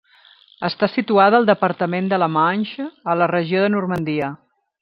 Està situada al departament de la Manche, a la regió de Normandia.